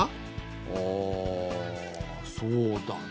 ああそうだな。